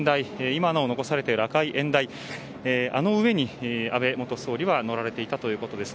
今なお残されている赤い演台あの上に安倍元総理は乗られていたということです。